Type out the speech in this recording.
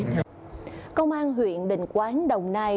công an huyện định quán đồng nai